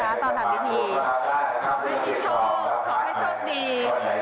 ขอให้พี่ชมขอให้ชมดี